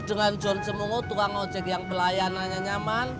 dengan john cemongo tukang ojek yang pelayanannya nyaman